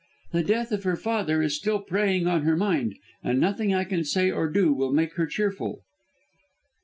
"The death of her father is still preying on her mind, and nothing I can say or do will make her cheerful."